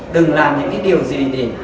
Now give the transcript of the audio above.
đừng làm những cái điều gì để